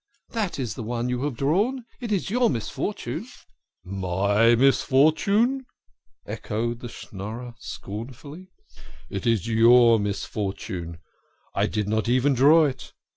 That is the one you have drawn. It is your misfortune." " My misfortune !" echoed the Schnorrer scornfully. " It is your misfortune I did not even draw it.